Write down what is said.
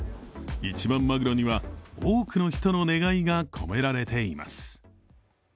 一番マグロには、多くの人の願いが込められています。